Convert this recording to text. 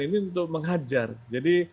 ini untuk menghajar jadi